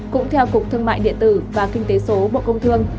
cũng theo cục thương mại điện tử và kinh tế số bộ công thương